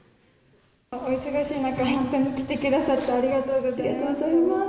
お忙しい中、本当に来てくだありがとうございます。